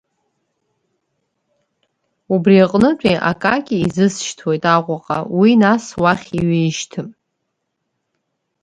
Убри аҟнытәи Акаки изысшьҭуеит Аҟәаҟа, уи нас уахь иҩаишьҭып.